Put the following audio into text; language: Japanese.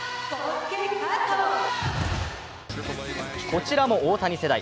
こちらも大谷世代。